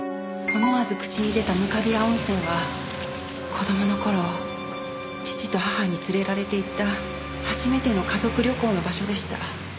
思わず口に出た糠平温泉は子供の頃父と母に連れられて行った初めての家族旅行の場所でした。